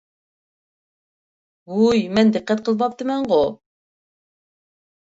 ۋوي مەن دىققەت قىلماپتىمەنغۇ؟